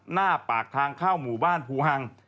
หน้าปากทางเข้าหมู่บ้านภูฮัง